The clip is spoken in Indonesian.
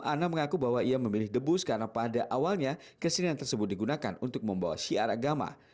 ana mengaku bahwa ia memilih debus karena pada awalnya kesenian tersebut digunakan untuk membawa syiar agama